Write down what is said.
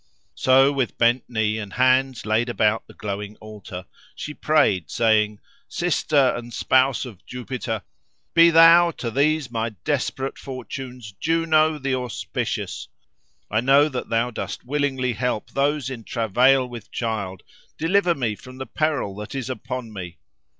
So, with bent knee and hands laid about the glowing altar, she prayed saying, "Sister and spouse of Jupiter! be thou to these my desperate fortune's Juno the Auspicious! I know that thou dost willingly help those in travail with child; deliver me from the peril that is upon me."